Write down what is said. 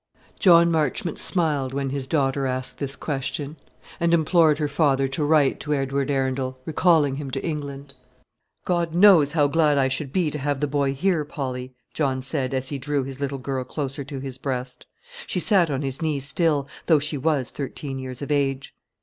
John Marchmont smiled when his daughter asked this question, and implored her father to write to Edward Arundel, recalling him to England. "God knows how glad I should be to have the boy here, Polly!" John said, as he drew his little girl closer to his breast, she sat on his knee still, though she was thirteen years of age.